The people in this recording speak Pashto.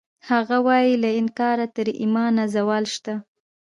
هغه وایی له انکاره تر ایمانه زوال شته